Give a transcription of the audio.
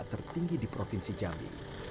tertinggi di provinsi jambi